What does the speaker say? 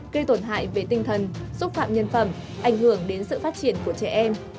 gây tổn hại về tinh thần xúc phạm nhân phẩm ảnh hưởng đến sự phát triển của trẻ em